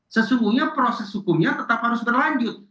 sesungguhnya proses hukumnya tetap harus berlanjut